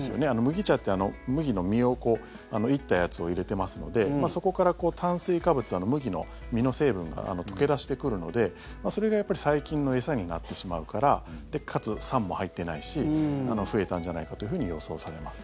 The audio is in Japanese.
麦茶って麦の実を煎ったやつを入れてますのでそこから炭水化物麦の実の成分が溶け出してくるのでそれがやっぱり細菌の餌になってしまうからかつ、酸も入ってないし増えたんじゃないかと予想されます。